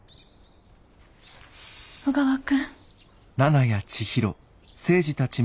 小川君。